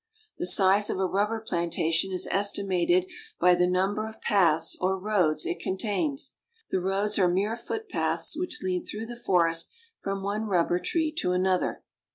The size of a rubber plantation is estimated by the number of paths or roads it contains. The roads are mere footpaths which lead through the forest from one rubber tree to another.